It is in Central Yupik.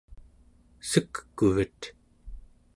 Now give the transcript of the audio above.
sek'kuvet